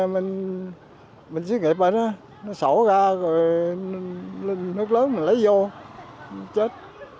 mình xí nghiệp ở đó nó xổ ra rồi nước lớn mình lấy vô chết